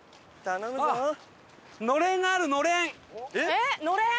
えっのれん？